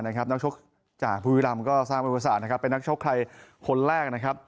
นักชกจากภูวิลำก็สร้างบริวสารเป็นนักชกใครคนแรก